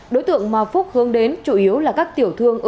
đối tượng mà phúc hướng đến chủ yếu là các tiểu thương